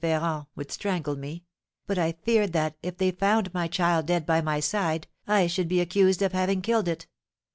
Ferrand would strangle me, but I feared that, if they found my child dead by my side, I should be accused of having killed it.